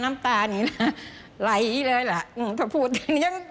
น้ำตาฬ่ายเลยละถ้าพูดถึง